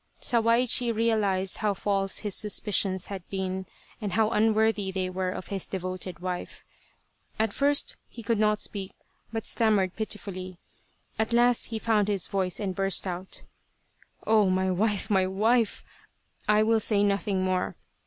Sawaichi realized how false his suspicions had been, and how unworthy they were of his devoted wife. At first he could not speak but stammered pitifully. At last he found his voice and burst out :" Oh, my wife, my wife ! I will say nothing more.